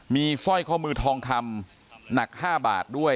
มีสร้อยข้อมือทองคำหนัก๕บาทด้วย